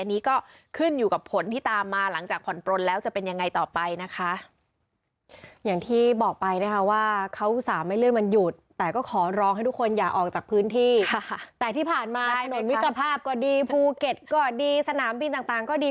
แต่ที่ผ่านมาถนนมิตรภาพก็ดีภูเก็ตก็ดีสนามบินต่างก็ดี